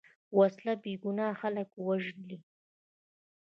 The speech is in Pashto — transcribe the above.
وسله بېګناه خلک وژلي